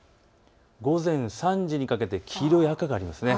午前３時にかけて黄色や赤があります。